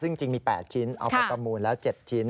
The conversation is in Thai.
ซึ่งจริงมี๘ชิ้นเอาไปประมูลแล้ว๗ชิ้น